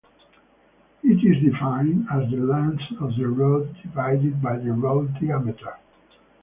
It is defined as the length of the rod divided by the rod diameter.